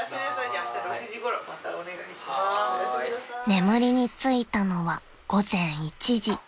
［眠りについたのは午前１時］